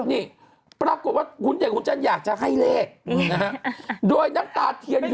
นี่ปรากฏว่าหุ่นใหญ่หุนจันทร์อยากจะให้เลขนะฮะโดยน้ำตาเทียนอยู่